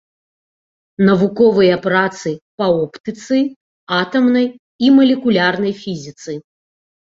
Навуковыя працы па оптыцы, атамнай і малекулярнай фізіцы.